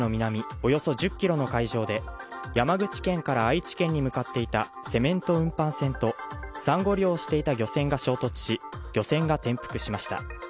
およそ１０キロの海上で山口県から愛知県に向かっていたセメント運搬船とさんご漁をしていた漁船が衝突し漁船が転覆しました